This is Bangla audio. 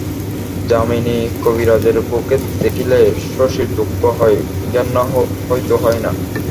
যামিনী কবিরাজের বৌকে দেখিলে শশীর দুঃখ হয়, ঘেন্না হয়তো হয় না।